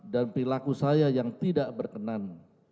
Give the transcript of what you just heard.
dan perilaku saya yang tidak berkenan